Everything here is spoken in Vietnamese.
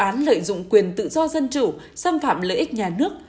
án lợi dụng quyền tự do dân chủ xâm phạm lợi ích nhà nước